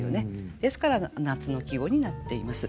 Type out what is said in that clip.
ですから夏の季語になっています。